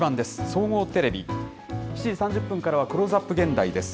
総合テレビ、７時３０分からはクローズアップ現代です。